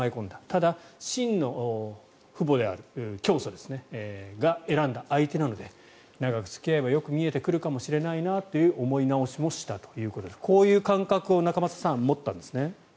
ただ、真の父母である教祖が選んだ相手なので長く付き合えばよく見えてくるかもしれないなと思い直しもしたということでこういう感覚を仲正さん持ったんですね。